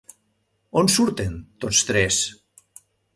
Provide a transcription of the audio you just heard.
On surten tots tres?